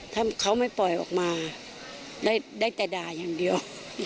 ถ้าเขาไม่ปล่อยออกมาได้แต่ด่าอย่างเดียว